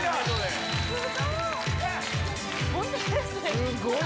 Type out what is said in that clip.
すごい！